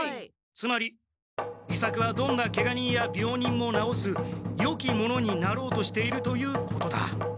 つまり伊作はどんなケガ人や病人もなおすよき者になろうとしているということだ。